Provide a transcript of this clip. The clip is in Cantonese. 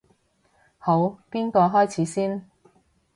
好，邊個開始先？